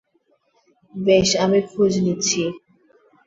বেশ, আমি খোঁজ নিচ্ছি।